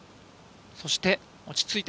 そして、落ち着いて。